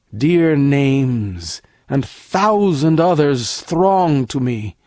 ... Dear names, And thousand other throng to me!